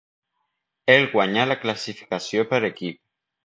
El guanyà la classificació per equip.